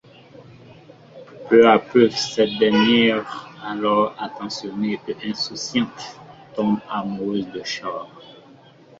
Peu à peu, cette dernière, alors attentionnée et insouciante, tombe amoureuse de Char.